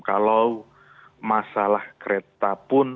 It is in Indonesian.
kalau masalah kereta pun